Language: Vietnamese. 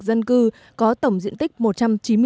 dân cư có tổng diện tích